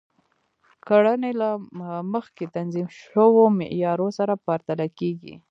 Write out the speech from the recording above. کړنې له مخکې تنظیم شوو معیارونو سره پرتله کیږي.